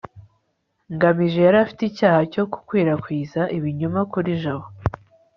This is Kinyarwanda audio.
ngamije yari afite icyaha cyo gukwirakwiza ibinyoma kuri jabo